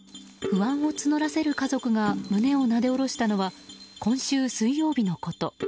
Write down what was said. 不安を募らせる家族が胸をなで下ろしたのは今週水曜日のこと。